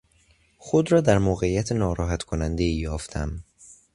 خود را در موقعیت ناراحت کنندهای یافتم.